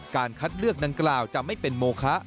การคัดเลือกดังกล่าวจะไม่เป็นโมคะ